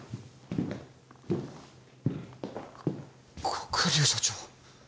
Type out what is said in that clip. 黒龍社長